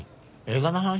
映画の話？